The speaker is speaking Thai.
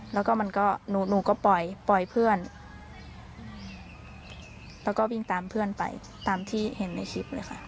แล้วก็มันก็หนูก็ปล่อยปล่อยเพื่อนแล้วก็วิ่งตามเพื่อนไปตามที่เห็นในคลิปเลยค่ะ